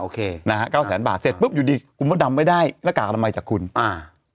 นะฮะเก้าแสนบาทเสร็จปุ๊บอยู่ดีคุณพ่อดำไม่ได้หน้ากากอนามัยจากคุณอ่า